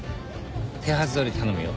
手はずどおり頼むよ。